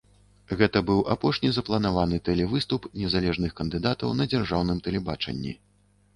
Гэта быў апошні запланаваны тэлевыступ незалежных кандыдатаў на дзяржаўным тэлебачанні.